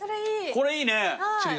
これいいね。